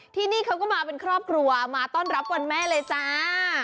ที่นี่เขาก็มาเป็นครอบครัวมาต้อนรับวันแม่เลยจ้า